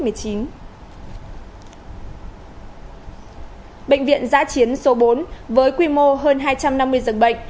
bệnh viện giã chiến số bốn với quy mô hơn hai trăm năm mươi giường bệnh